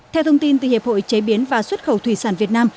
theo thông tin từ hiệp hội chế biến và xuất khẩu thủy sản việt nam